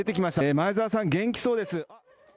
前澤さん、元気そうです。